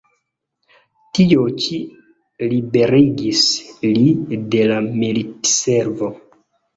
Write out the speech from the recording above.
Tio ĉi liberigis li de la militservo.